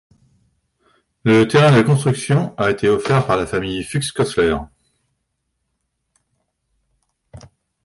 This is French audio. Le terrain de construction a été offert par la famille Fux-Koessler.